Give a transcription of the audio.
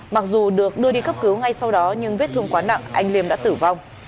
mặc dù được đưa đi cấp cứu ngay sau đó nhưng vết thương quá nặng anh liêm đã tử vong